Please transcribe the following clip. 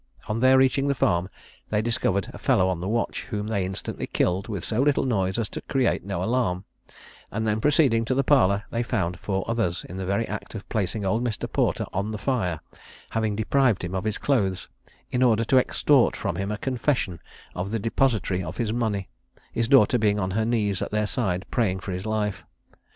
On their reaching the farm, they discovered a fellow on the watch, whom they instantly killed with so little noise as to create no alarm, and then proceeding to the parlour, they found four others in the very act of placing old Mr. Porter on the fire, having deprived him of his clothes, in order to extort from him a confession of the depository of his money, his daughter being on her knees at their side praying for his life.